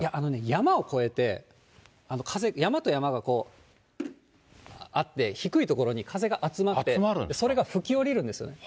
山を越えて、山と山がこうあって、低い所に風が集まって、それが吹き下りるんです。